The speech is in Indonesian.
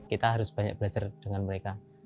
kita harus banyak belajar dengan mereka